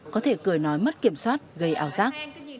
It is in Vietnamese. có thể cười nói mất kiểm soát gây áo giác